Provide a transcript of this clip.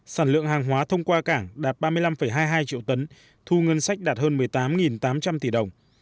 sản lượng hàng hóa thông qua cảng đạt ba mươi năm hai mươi hai triệu tấn thu ngân sách đạt hơn một mươi tám tám trăm linh tỷ đồng